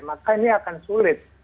maka ini akan sulit